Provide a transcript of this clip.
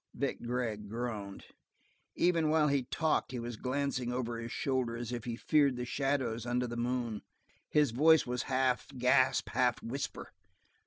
Vic Gregg groaned. Even while he talked he was glancing over his shoulder as if he feared the shadows under the moon. His voice was half gasp, half whisper.